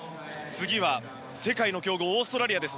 次は世界の強豪オーストラリアです。